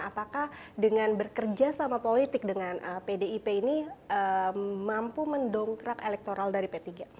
apakah dengan bekerja sama politik dengan pdip ini mampu mendongkrak elektoral dari p tiga